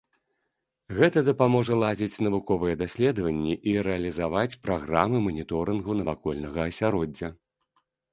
Гэта дапаможа ладзіць навуковыя даследаванні і рэалізаваць праграмы маніторынгу навакольнага асяроддзя.